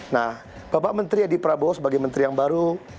nah bapak menteri edi prabowo sebagai menteri yang baru